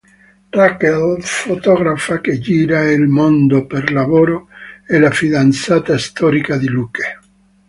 Rachel, fotografa che gira il mondo per lavoro, è la fidanzata storica di Luke.